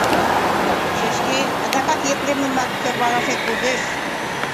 Шешке, адакат Епремымак сӧрвалашет возеш.